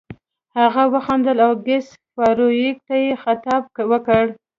هغه وخندل او ګس فارویک ته یې خطاب وکړ